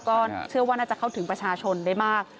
ก็เชื่อว่าน่าจะเข้าถึงประชาชนได้มาก